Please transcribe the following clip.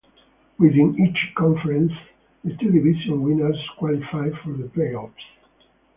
Within each conference, the two division winners qualified for the playoffs.